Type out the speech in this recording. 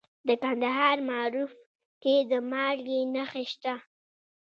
د کندهار په معروف کې د مالګې نښې شته.